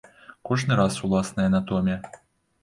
Кожны раз уласная анатомія.